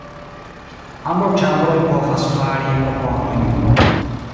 Ambaŭ ĉambroj povas fari proponojn.